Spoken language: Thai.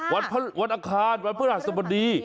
วันอังคารวันพฤหัสบดี